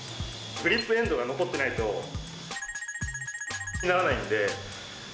グリップエンドが残ってないと×××にならないんで。